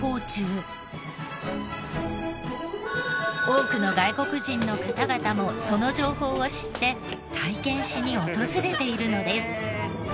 多くの外国人の方々もその情報を知って体験しに訪れているのです。